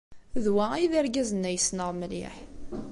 D wa ay d argaz-nni ay ssneɣ mliḥ.